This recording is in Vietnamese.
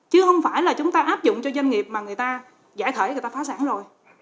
chứ không phải là chúng ta áp dụng cho doanh nghiệp mà người ta giải thởi người ta phá sản rồi